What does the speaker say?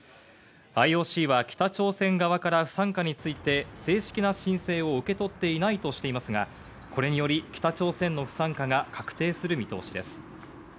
ＩＯＣは北朝鮮側から不参加について、正式な申請を受け取っていないとしていますが、これにより北朝鮮の不参加が確定する見通しです。